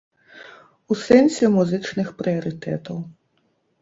У сэнсе музычных прыярытэтаў.